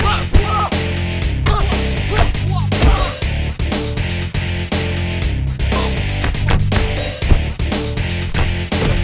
ya allah tuhan cios